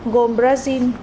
gồm brazil nga